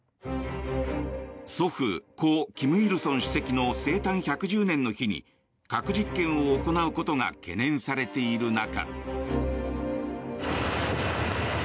祖父、故・金日成主席の生誕１１０年の日に核実験を行うことが懸念されている中。